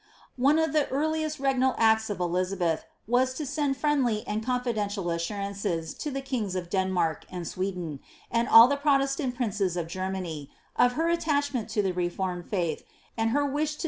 One of the railieet regnal acts of Elizabeth, was to send friendly and conlidcnlial ns^niHiices to the kings of Denmark and Sweden, and all the prolcsiunt princes of Germany, of her attachment lo llie reformed XLIXABSTH.